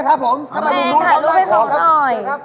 ตัวเองถ่ายรูปให้เขาน่อย